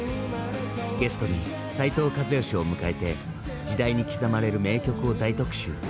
ゲストに斉藤和義を迎えて時代に刻まれる名曲を大特集。